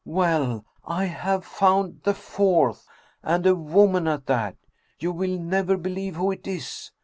Well, I have found the fourth, and a woman at that. You will never believe who it is!